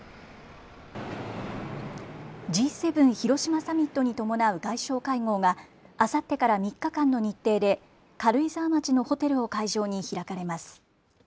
Ｇ７広島サミットに伴う外相会合があさってから３日間の日程で軽井沢町のホテルを会場に開かれます。